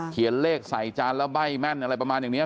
เลขใส่จานแล้วใบ้แม่นอะไรประมาณอย่างนี้